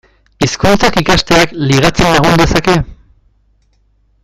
Hizkuntzak ikasteak ligatzen lagun dezake?